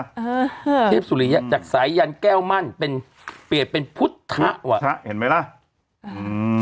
เออเทพสุริยะจากสายยันแก้วมั่นเป็นเปลี่ยนเป็นพุทธว่ะทะเห็นไหมล่ะอืม